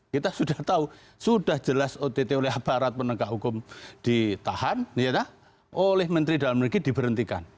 kita sudah tahu sudah jelas ott oleh aparat penegak hukum ditahan oleh menteri dalam negeri diberhentikan